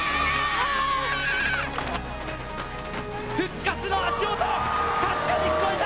復活の足音、確かに聞こえた！